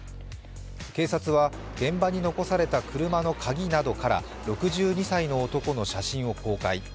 警察は現場に残された車の鍵などから６２歳の男の写真を公開。